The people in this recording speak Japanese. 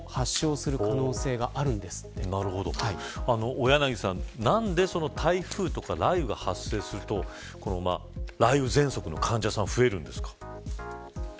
小柳さん、何で台風とか雷雨が発生すると雷雨ぜんそくの患者さんが増えるんですか。